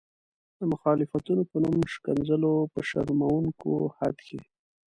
د مخالفتونو په نوم ښکنځلو په شرموونکي حد کې.